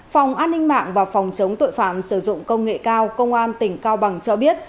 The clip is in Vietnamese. phòng an ninh mạng và phòng chống tội phạm sử dụng công nghệ cao công an tỉnh cao bằng cho biết